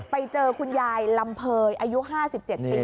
ไปเจอคุณยายลำเภยอายุ๕๗ปี